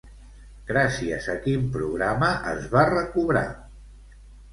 Gràcies a quin programa es va recobrar?